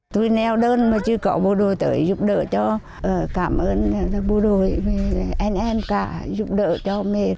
tôi neo đơn mà chưa có bộ đội tới giúp đỡ cho cảm ơn bộ đội với anh em cả giúp đỡ cho mẹ